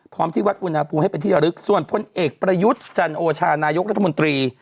ที่วัดอุณหภูมิให้เป็นที่ระลึกส่วนพลเอกประยุทธ์จันโอชานายกรัฐมนตรี